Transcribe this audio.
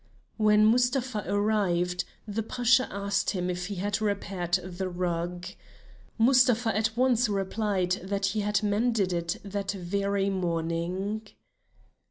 When Mustapha arrived, the Pasha asked him if he had repaired the rug. Mustapha at once replied that he had mended it that very morning.